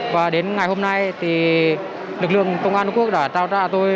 và đến ngày hôm nay lực lượng công an trung quốc đã trao trả tôi